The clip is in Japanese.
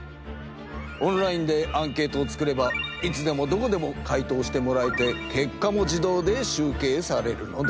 オンラインでアンケートを作ればいつでもどこでも回答してもらえてけっかも自動で集計されるのだ。